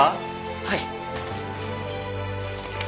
はい。